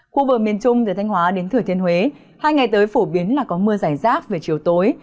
khu vực miền trung từ thanh hóa đến thừa thiên huế hai ngày tới phổ biến là có mưa giải rác về chiều tối